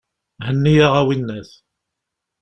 Henni-yaɣ, a winnat!